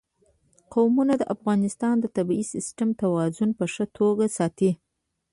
قومونه د افغانستان د طبعي سیسټم توازن په ښه توګه ساتي.